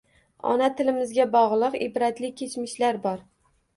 Ona tilimizga bog‘liq ibratli kechmishlar bor.